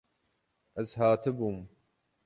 Ez hatibûm.